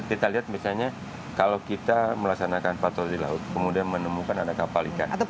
kita lihat misalnya kalau kita melaksanakan patroli laut kemudian menemukan ada kapal ikan